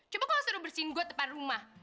coba kau suruh bersihin gua depan rumah